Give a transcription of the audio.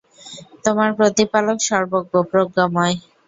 তোমার প্রতিপালক সর্বজ্ঞ, প্রজ্ঞাময়।